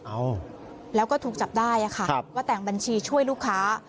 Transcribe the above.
เอ้าแล้วก็ถูกจับได้ค่ะว่าแต่งบัญชีช่วยลูกค้า